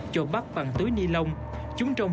trộn bắp bằng túi ni lông